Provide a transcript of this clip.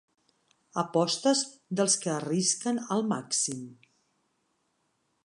Apostes dels que arrisquen al màxim.